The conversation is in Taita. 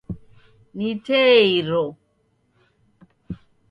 Ni tee iro.